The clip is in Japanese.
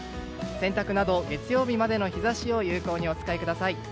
洗濯など月曜日までの日差しを有効にお使いください。